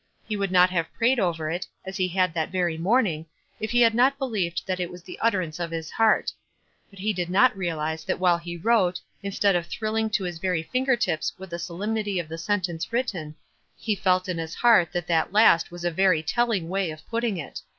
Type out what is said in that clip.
He would not have prayed over it, as he did that very morning, had he not believed that it was the utterance of his heart ; but he did not realize that while he wrote, instead of thrilling to his very finger tips with the solem nity of the sentence written, he felt in his heart that that last was a very telling way of putting it.